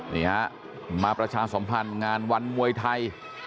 นี่ฮะมาประชาสมพันธ์งานวันมวยไทย